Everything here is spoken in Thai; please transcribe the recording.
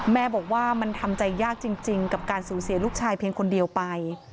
แม่บอกว่ามันทำใจยากจริงกับการสูญเสียลูกชายเพียงคนเดียวไป